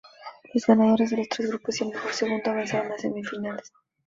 Los ganadores de los tres grupos y el mejor segundo avanzaron a semifinales.